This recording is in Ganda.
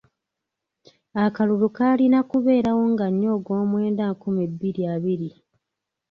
Akalulu kaalina kubeerawo nga nnya ogw'omwenda nkumi bbiri abiri.